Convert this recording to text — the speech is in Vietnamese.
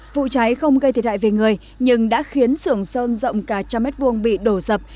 vụ cháy không gây thiệt hại về người nhưng đã khiến sưởng sơn rộng cả trăm mét vuông bị đổ sập